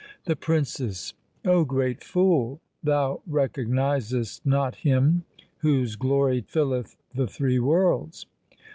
The Princess 0 great fool, thou recognizest not Him whose glory filleth the three worlds.